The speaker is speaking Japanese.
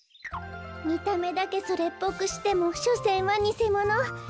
みためだけそれっぽくしてもしょせんはにせもの。